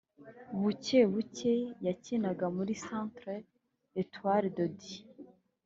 Bukebuke yakinaga muri Centre Etoile de Dieu